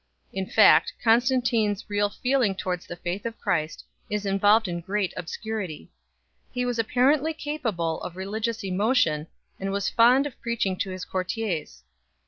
In fact, Constan tine s real feeling towards the faith of Christ is involved in great obscurity. He was apparently capable of religious emo tion, and was fond of preaching to his courtiers 4 .